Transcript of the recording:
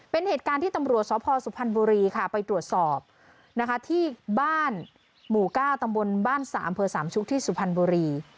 เป็นเหตุการณ์ที่ตำรวจสพสุพรรณบุรีค่ะไปตรวจสอบนะคะที่บ้านหมู่๙ตำบลบ้าน๓อำเภอสามชุกที่สุพรรณบุรี